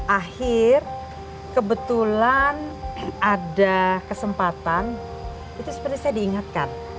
dua ribu enam belas akhir kebetulan ada kesempatan itu seperti saya diingatkan